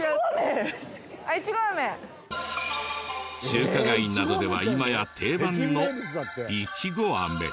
中華街などでは今や定番のいちご飴。